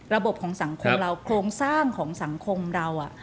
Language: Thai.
ของสังคมเราโครงสร้างของสังคมเรา